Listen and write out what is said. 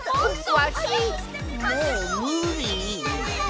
わしもうむり！